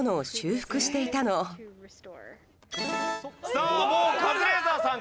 さあもうカズレーザーさん